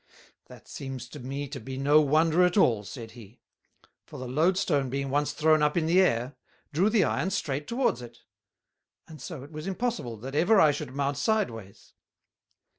"That seems to me to be no wonder at all," said he; "for the Load stone being once thrown up in the Air, drew the Iron streight towards it; and so it was impossible, that ever I should mount sideways.